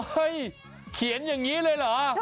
เขียนอย่างนี้เลยเหรอ